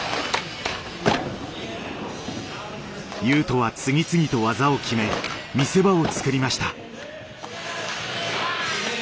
雄斗は次々と技を決め見せ場を作りました。